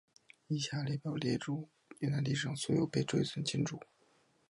以下的列表列出越南历史上所有被追尊君主。